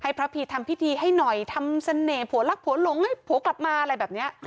พระพีทำพิธีให้หน่อยทำเสน่ห์ผัวรักผัวหลงให้ผัวกลับมาอะไรแบบนี้